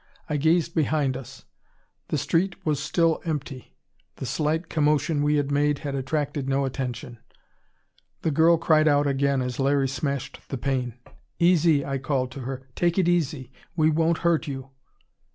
I gazed behind us. The street was still empty. The slight commotion we had made had attracted no attention. The girl cried out again as Larry smashed the pane. "Easy," I called to her. "Take it easy. We won't hurt you."